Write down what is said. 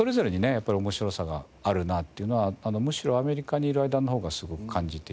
やっぱり面白さがあるなっていうのはむしろアメリカにいる間のほうがすごく感じていて。